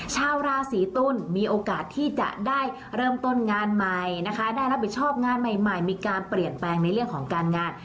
ชาวราศีตุลมีโอกาสที่จะได้เริ่มต้นงานใหม่นะคะได้รับผิดชอบงานใหม่มีการเปลี่ยนแปลงในเรื่องของการงาน